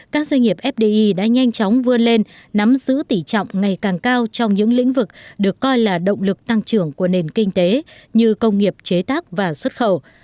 các doanh nghiệp fdi đã nhanh chóng vươn lên nắm giữ tỷ trọng ngày càng cao trong những lĩnh vực được coi là động lực tăng trưởng của nền kinh tế như công nghiệp chế tác và xuất khẩu